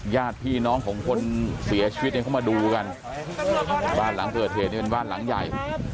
ญาติพี่น้องของคนเสียชีวิตกลัวมาดูกันบ้านหลังเกินเป็นบ้านหลังใหญ่